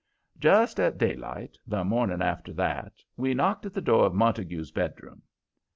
Just at daylight the morning after that we knocked at the door of Montague's bedroom.